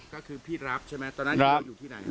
ก็คือพี่รับใช่ไหมตอนนั้นอยู่ที่ไหน